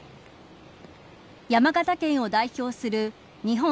山形県を代表する日本